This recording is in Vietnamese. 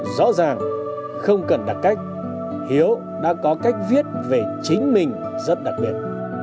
rõ ràng không cần đặt cách hiếu đã có cách viết về chính mình rất đặc biệt